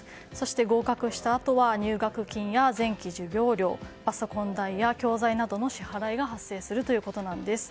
合格したあとは入学金や前期授業料パソコン代や教材代などの支払いが発生するということです。